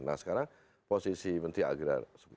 nah sekarang posisi menteri agraris